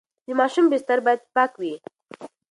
د ماشوم بستر باید پاک وي.